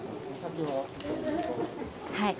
はい。